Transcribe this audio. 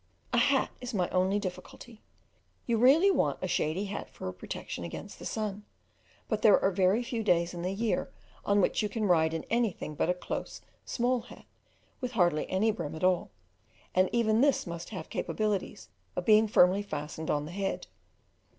A hat is my only difficulty: you really want a shady hat for a protection against the sun, but there are very few days in the year on which you can ride in anything but a close, small hat, with hardly any brim at all, and even this must have capabilities of being firmly fastened on the head.